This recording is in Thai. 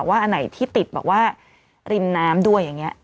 อันไหนที่ติดแบบว่าริมน้ำด้วยอย่างนี้